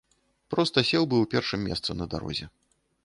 Проста сеў бы ў першым месцы на дарозе.